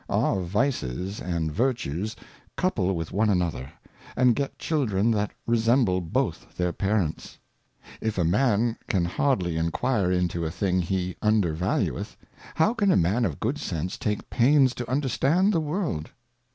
Our Vices and Virtues couple with one another, and get Children that resemble both their Parents. If a Man can hardly inquire into a Thing he undervalueth, how can a Man of good Sense take pains to understand the World